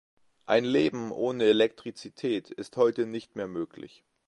Ein Leben ohne Elektrizität ist heute nicht mehr möglich.